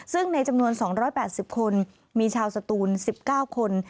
ซึ่งในจำนวน๒๘๐คนมีชาวสตูน๑๙คน